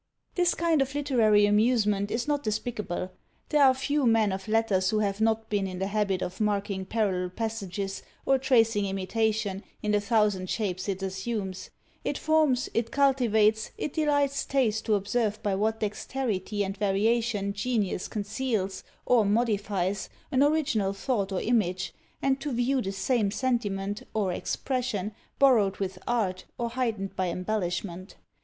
This kind of literary amusement is not despicable: there are few men of letters who have not been in the habit of marking parallel passages, or tracing imitation, in the thousand shapes it assumes; it forms, it cultivates, it delights taste to observe by what dexterity and variation genius conceals, or modifies, an original thought or image, and to view the same sentiment, or expression, borrowed with art, or heightened by embellishment.